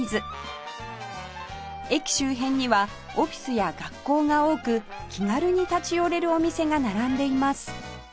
駅周辺にはオフィスや学校が多く気軽に立ち寄れるお店が並んでいます